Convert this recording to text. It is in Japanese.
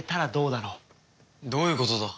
どういうことだ？